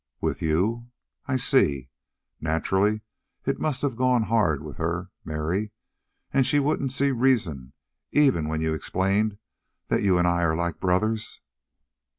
"With you? I see. Naturally it must have gone hard with her Mary! And she wouldn't see reason even when you explained that you and I are like brothers?"